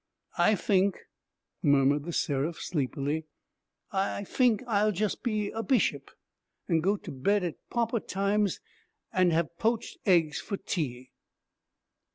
'I fink,' murmured The Seraph, sleepily, 'I fink I'll jus' be a bishop, an' go to bed at pwoper times an' have poached eggs for tea.'